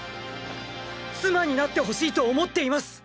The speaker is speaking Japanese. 妻になってほしいと思っています！